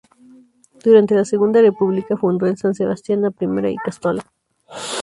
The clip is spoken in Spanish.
Durante la Segunda República fundó en San sebastián la primera ikastola.